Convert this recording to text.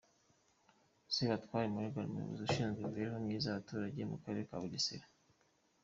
Sebatware Magelan umuyobozi ushinzwe imibereho myiza y'abaturage mu karere ka Bugesera .